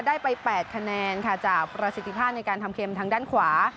ได้ไป๘คะแนนค่ะจากประสิทธิภาพในการทำเข็มทางด้านขวา